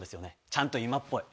ちゃんと今っぽい。